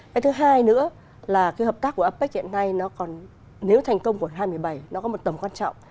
cái thứ hai nữa là cái hợp tác của apec hiện nay nếu thành công của apec hai nghìn một mươi bảy nó có một tầm quan trọng